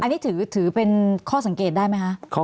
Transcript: อันนี้ถือเป็นข้อสังเกตได้ไหมคะ